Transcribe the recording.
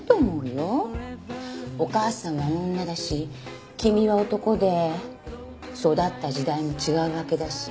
お母さんは女だし君は男で育った時代も違うわけだし。